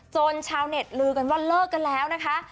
ชาวเน็ตลือกันว่าเลิกกันแล้วนะคะ